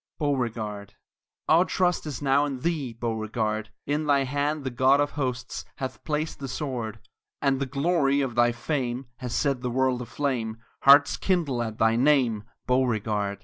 BEAUREGARD Our trust is now in thee, Beauregard! In thy hand the God of Hosts Hath placed the sword; And the glory of thy fame Has set the world aflame Hearts kindle at thy name, Beauregard!